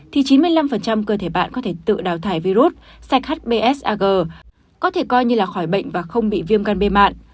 thì chín mươi năm cơ thể bạn có thể tự đào thải virus sạch hbs ag có thể coi như là khỏi bệnh và không bị viêm gan b mạn